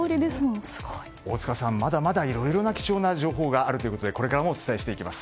大塚さん、まだまだいろいろ貴重な情報があるということでこれからもお伝えしていきます。